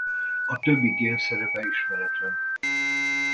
A többi gén szerepe ismeretlen.